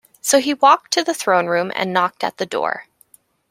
So he walked to the Throne Room and knocked at the door.